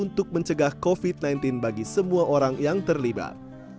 untuk mencegah covid sembilan belas bagi semua orang yang terlibat